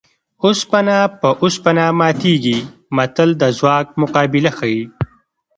اوسپنه په اوسپنه ماتېږي متل د ځواک مقابله ښيي